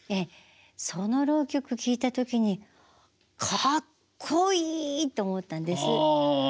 その浪曲聴いた時にかっこいい！と思ったんです。